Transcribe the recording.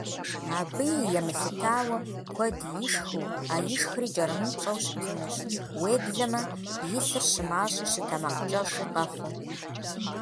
Абыи емылъытауэ, куэд ишхыу, а ишхри кӀэрымыпщӀэу щытынущ, уеблэмэ и лъыр щымащӀи щытэмакъкӀэщӀи къэхъуу.